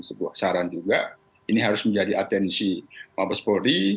sebuah saran juga ini harus menjadi atensi mabes polri